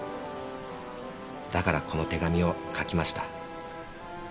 「だからこの手紙を書きました」